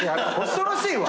恐ろしいわ。